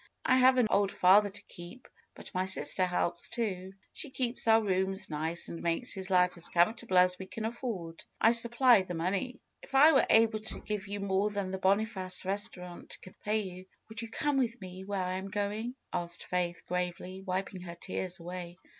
"I have an old father to keep; but my sister helps, too. She keeps our rooms nice and makes his life as comfortable as we can afford. I sup ply the money." "If I were able to give you more than the Boniface restaurant can pay you, would you come with me where I am going?" asked Faith, gravely, wiping her tears away.